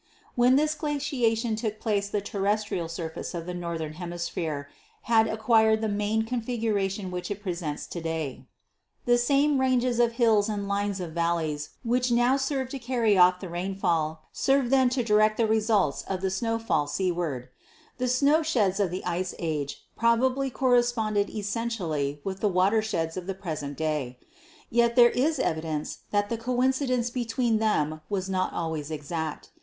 "When this glaciation took place the terrestrial surface of the northern hemisphere had acquired the main con figuration which it presents to day. The same ranges of Mt. McKinley, 20,300 Feet, in the Alaska Range, the Highest Mountain in the United States. HISTORICAL GEOLOGY 233 hills and lines of valley which now serve to carry off the rainfall served then to direct the results of the snowfall seaward. The snow sheds of the Ice Age probably cor responded essentially with the water sheds of the present day. Yet there is evidence that the coincidence between them was not always exact.